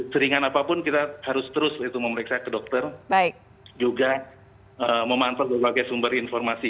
seringan apapun kita harus terus memeriksa ke dokter juga memantau berbagai sumber informasi